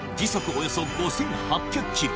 およそ５８００キロ